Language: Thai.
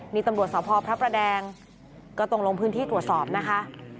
นี่ตำรวจสพพระประแดงก็ต้องลงพื้นที่ตรวจสอบนะคะ